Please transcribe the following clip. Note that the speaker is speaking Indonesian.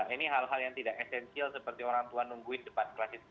ini hal hal yang tidak esensial seperti orang tua nungguin di depan kelas itu